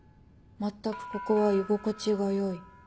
まったくここは居心地がよい。